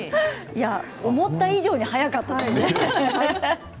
思った以上に早かったですね。